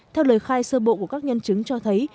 theo lời khai sơ bộ của các nhân chứng cho thấy